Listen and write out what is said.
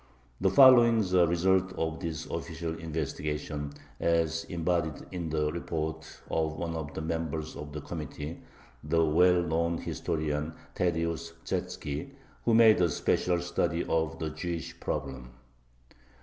The following are the results of this official investigation, as embodied in the report of one of the members of the committee, the well known historian Thaddeus Chatzki, who made a special study of the Jewish problem.